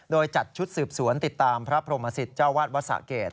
โดยจัดชุดสืบสวนติดตามพระพรหมสิตเจ้าวาดวัดสะเกด